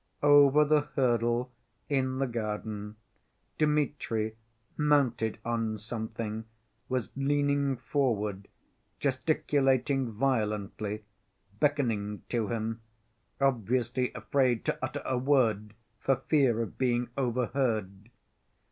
Over the hurdle in the garden, Dmitri, mounted on something, was leaning forward, gesticulating violently, beckoning to him, obviously afraid to utter a word for fear of being overheard.